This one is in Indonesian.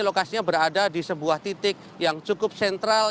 lokasinya berada di sebuah titik yang cukup sentral